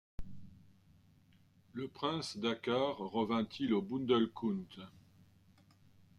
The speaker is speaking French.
le prince Dakkar revint-il au Bundelkund